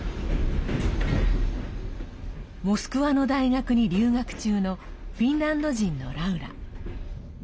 モスクワの大学に留学中のフィンランド人のラウラ。